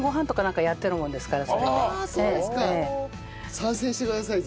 参戦してくださいぜひ。